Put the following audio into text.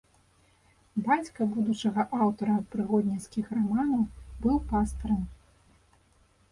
Бацька будучага аўтара прыгодніцкіх раманаў быў пастарам.